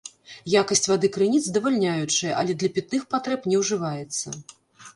Якасць вады крыніц здавальняючая, але для пітных патрэб не ўжываецца.